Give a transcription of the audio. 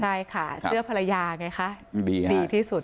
เชื่อภรรยาไงค่ะดีที่สุด